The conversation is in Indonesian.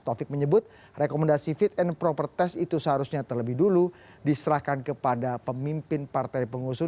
taufik menyebut rekomendasi fit and proper test itu seharusnya terlebih dulu diserahkan kepada pemimpin partai pengusung